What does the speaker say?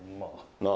まあ。